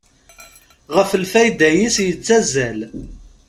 Ɣef lfayda-is yettazzal.